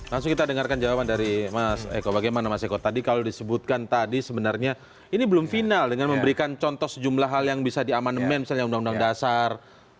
mas eko bagaimana mas eko tadi kalau disebutkan tadi sebenarnya ini belum final dengan memberikan contoh sejumlah hal yang bisa diamanemen misalnya undang undang dasar